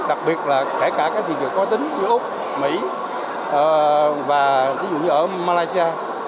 đặc biệt là kể cả các thị trường khó tính như úc mỹ và ví dụ như ở malaysia